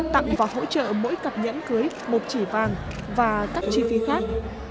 tặng và hỗ trợ mỗi cặp nhẫn cưới một chỉ vàng và các chi phí khác